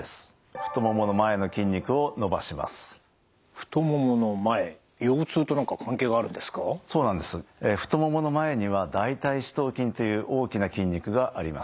太ももの前には大腿四頭筋という大きな筋肉があります。